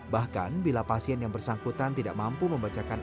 bahkan bila pasien yang bersangkutan tidak mampu membacakan